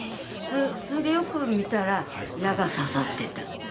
それでよく見たら、矢が刺さってた。